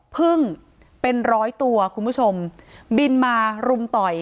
พึ่งเป็นร้อยตัวคุณผู้ชมบินมารุมต่อย